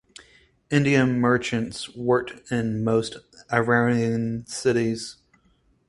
Indian merchants worked in most Iranian cities.